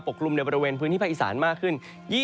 กลุ่มในบริเวณพื้นที่ภาคอีสานมากขึ้น